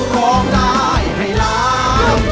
พร้อมนายให้รัก